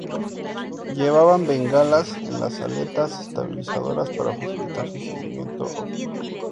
Llevaban bengalas en las aletas estabilizadoras para facilitar su seguimiento óptico.